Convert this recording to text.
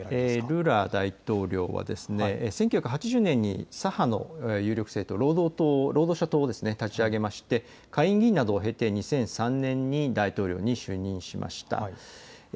ルーラ大統領は１９８０年に左派の有力政党、労働者党を立ち上げて下院議員などを経て２００３年に大統領に就任しました。